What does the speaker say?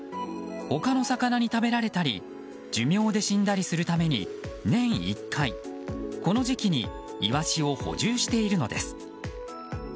他の魚に食べられたり寿命で死んだりするために年１回、この時期にイワシを補充しているのです。